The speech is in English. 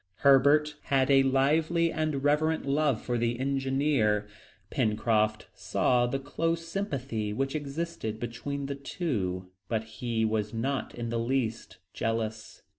Herbert had a lively and reverent love for the engineer. Pencroft saw the close sympathy which existed between the two, but he was not in the least jealous.